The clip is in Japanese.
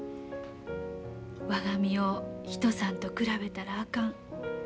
我が身を人さんと比べたらあかん。